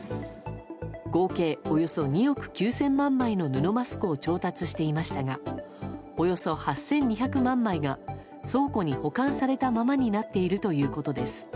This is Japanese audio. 合計およそ２億９０００万枚の布マスクを調達していましたがおよそ８２００万枚が倉庫に保管されたままになっているということです。